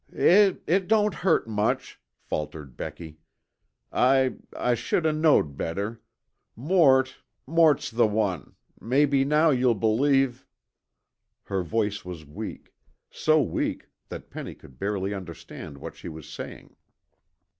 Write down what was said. "It it don't hurt much," faltered Becky. "I I should o' knowed better. Mort ... Mort's the one ... mebbe now you'll believe...." Her voice was weak, so weak that Penny could barely understand what she was saying.